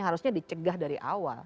harusnya dicegah dari awal